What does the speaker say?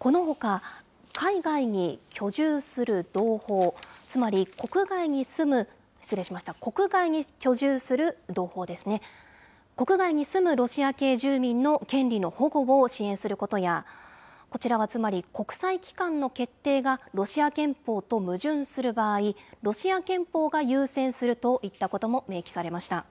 このほか、海外に居住する同胞、つまり国外に住む、失礼しました、国外に居住する同胞ですね、国外に住むロシア系住民の権利の保護を支援することや、こちらはつまり、国際機関の決定がロシア憲法と矛盾する場合、ロシア憲法が優先するといったことも明記されました。